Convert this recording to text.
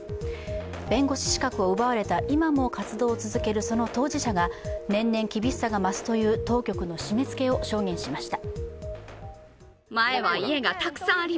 弁護士資格を奪われた今も活動を続けるその当事者が、年々厳しさが増すという当局の締めつけを証言しました。